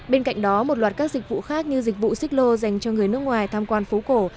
bên cạnh đó một loạt các dịch vụ khác như dịch vụ xích lô dành cho người nước ngoài tham quan phố cổ